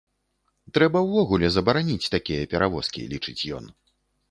Трэба ўвогуле забараніць такія перавозкі, лічыць ён.